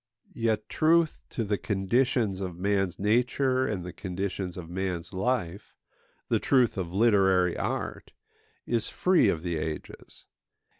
Yet truth to the conditions of man's nature and the conditions of man's life, the truth of literary art, is free of the ages.